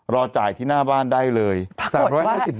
รอจ่ายที่หน้าบ้านได้เลย